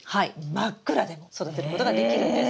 真っ暗でも育てることができるんです。